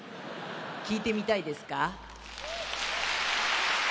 聞いてみたいですか？